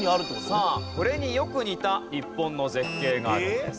さあこれによく似た日本の絶景があるんです。